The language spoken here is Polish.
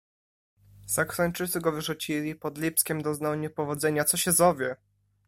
"Saksończycy go wyrzucili, pod Lipskiem doznał niepowodzenia, co się zowie!"